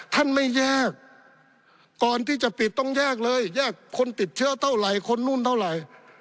ท่านไม่แยกก่อนที่จะปิดต้องแยกเลยแยกคนติดเชื้อเท่าไหร่คนนู่นเท่าไหร่